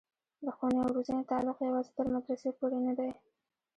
د ښوونې او روزنې تعلق یوازې تر مدرسې پورې نه دی.